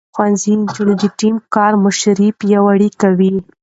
ښوونځی نجونې د ټيم کار مشري پياوړې کوي.